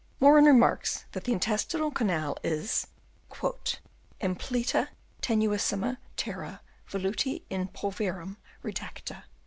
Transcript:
Morren remarks that the intestinal canal is " impleta tenuissima terra, veluti in pulverem redacta."